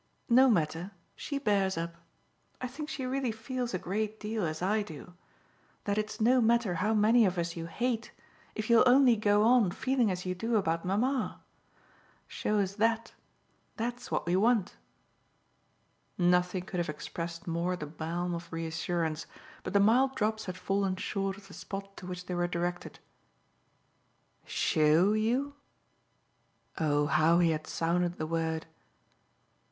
No matter she bears up. I think she really feels a great deal as I do that it's no matter how many of us you hate if you'll only go on feeling as you do about mamma. Show us THAT that's what we want." Nothing could have expressed more the balm of reassurance, but the mild drops had fallen short of the spot to which they were directed. "'Show' you?" Oh how he had sounded the word!